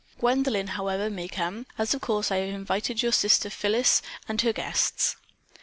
Gwendolyn, however, may come, as of course I have invited your sister Phyllis and her guests."